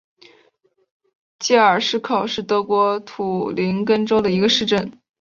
基尔施考是德国图林根州的一个市镇。